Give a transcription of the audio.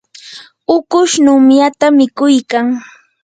ukush numyata mikuykan.